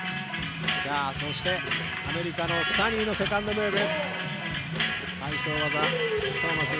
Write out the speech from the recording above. そしてアメリカのＳｕｎｎｙのセカンドムーブ。